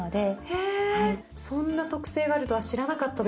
へえそんな特性があるとは知らなかったです。